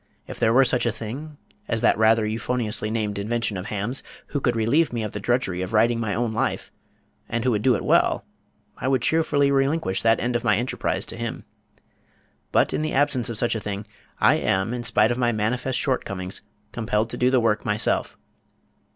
If there were such a thing as that rather euphoniously named invention of Ham's who could relieve me of the drudgery of writing my own life, and who would do it well, I would cheerfully relinquish that end of my enterprise to him, but in the absence of such a thing, I am, in spite of my manifest shortcomings, compelled to do the work myself.